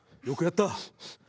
よくやった。